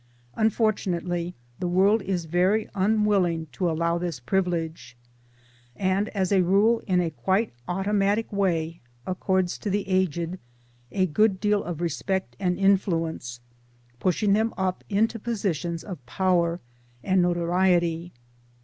Unfortunately the world is very unwilling to allow this privilege, and as a rule in a quite automatic way accords to the aged a good deal of respect and influence, pushing them up into positions of power and notoriety.